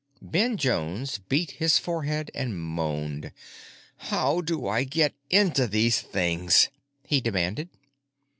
Ben Jones beat his forehead and moaned. "How do I get into these things?" he demanded.